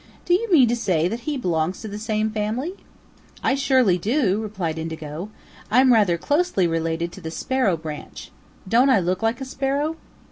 "Do you mean to say that he belongs to the same family?" "I surely do," replied Indigo. "I'm rather closely related to the Sparrow branch. Don't I look like a Sparrow?"